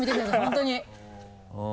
本当に。